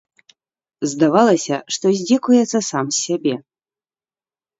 Здавалася, што здзекуецца сам з сябе.